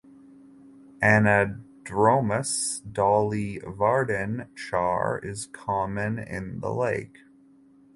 Anadromous Dolly Varden char is common in the lake.